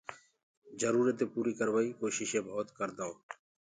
جرورتينٚ پوريٚ ڪروائيٚ ڪوشيشينٚ ڀوَت ڪردآئونٚ